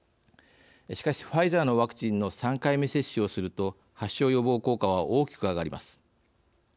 しかし、ファイザーのワクチンの３回目接種をすると発症予防効果は大きく上がります。